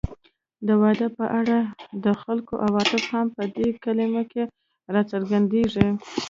د واده په اړه د خلکو عواطف هم په دې کلمه کې راڅرګندېږي